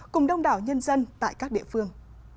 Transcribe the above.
cùng đông đảo nhân dân tại các địa phương